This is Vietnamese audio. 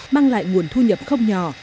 mang lại nguồn thu nhập không nhỏ